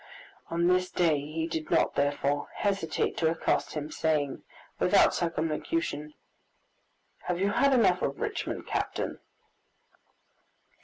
On this day he did not, therefore, hesitate to accost him, saying, without circumlocution, "Have you had enough of Richmond, captain?"